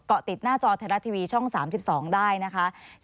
ติดหน้าจอไทยรัฐทีวีช่อง๓๒ได้นะคะ